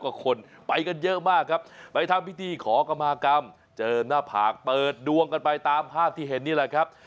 กว่าคนไปกันเยอะมากครับไปทำพิธีขอกรรมากรรมเจิมหน้าผากเปิดดวงกันไปตามภาพที่เห็นนี่แหละครับ